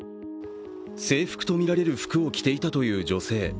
制服とみられる服を着ていたという女性。